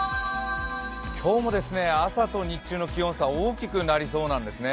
今日も朝と日中の気温差大きくなりそうなんですね。